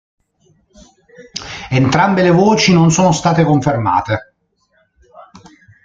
Entrambe le voci non sono state confermate.